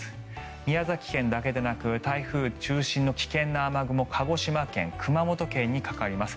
宮崎県だけでなく台風中心の危険な雨雲が鹿児島県、熊本県にかかります。